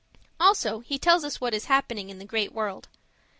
Also he tells us what is happening in the Great World.